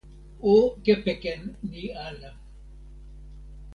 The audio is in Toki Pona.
o kepeken ni ala!